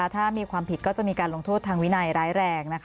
ถ้ามีความผิดก็จะมีการลงโทษทางวินัยร้ายแรง